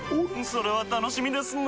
それは楽しみですなぁ。